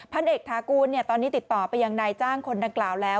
พันเอกทากูลตอนนี้ติดต่อไปยังนายจ้างคนดังกล่าวแล้ว